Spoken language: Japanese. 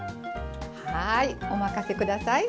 はいお任せください。